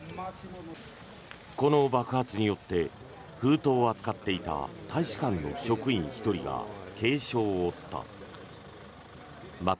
この爆発によって封筒を扱っていた大使館の職員１人が軽傷を負った。